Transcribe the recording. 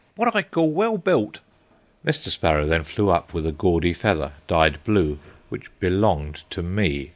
What I call well built." Mr. Sparrow then flew up with a gaudy feather, dyed blue, which belonged to me.